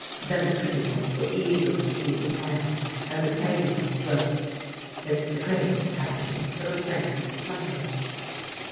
Then the pretty ones will easily see the plan, and the plain ones won't. It's the greatest happiness for the plainest number."